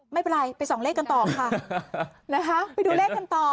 ไม่เป็นไรไปสองเลขกันต่อค่ะนะฮะไปดูเลขกันต่อ